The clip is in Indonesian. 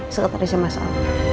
seketarisa mas al